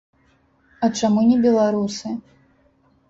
А чаму не беларусы?